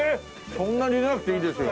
そんなに入れなくていいですよ。